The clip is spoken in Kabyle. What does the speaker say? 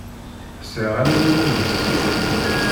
Sɛiɣ ala yiwen n ssif.